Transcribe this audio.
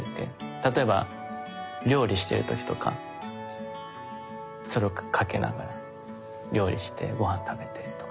例えば料理している時とかそれをかけながら料理してご飯食べてとかね。